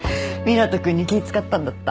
湊斗君に気使ったんだった。